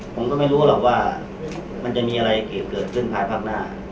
ผมก็ไม่รู้หรอกว่ามันจะมีอะไรเกิดขึ้นภายพักหน้า